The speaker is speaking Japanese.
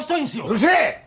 うるせえ！